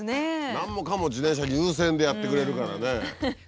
何もかも自転車優先でやってくれるからね。